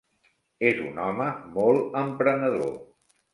És un home molt emprenedor.